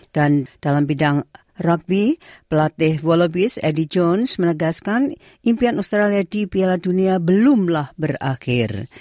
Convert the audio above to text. dan dalam bidang rugby pelatih wallabies eddie jones menegaskan impian australia di piala dunia belumlah berakhir